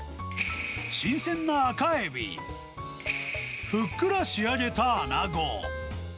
新鮮な赤エビ、ふっくら仕上げたアナゴ。